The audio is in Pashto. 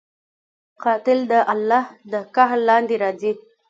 قاتل د الله د قهر لاندې راځي